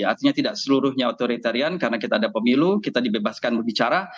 artinya tidak seluruhnya otoritarian karena kita ada pemilu kita dibebaskan berbicara